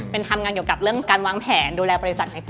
เป็นทำงานอยู่กับเรื่องการว้างแผน